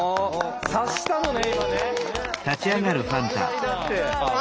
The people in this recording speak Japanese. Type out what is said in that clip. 察したのね今ね！